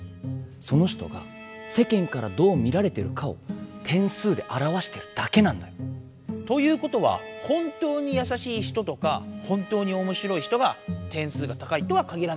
その人がせけんからどう見られてるかを点数であらわしてるだけなんだよ。ということは本当にやさしい人とか本当におもしろい人が点数が高いとはかぎらないんだ。